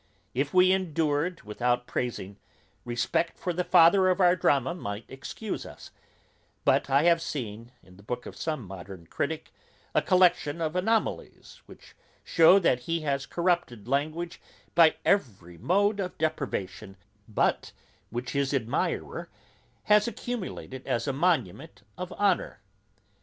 If we endured without praising, respect for the father of our drama might excuse us; but I have seen, in the book of some modern critick, a collection of anomalies, which shew that he has corrupted language by every mode of depravation, but which his admirer has accumulated as a monument of honour.